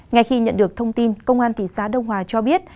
ngay khi nhận được thông tin công an thị xã đông hòa cho biết